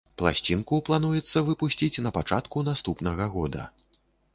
Пласцінку плануецца выпусціць на пачатку наступнага года.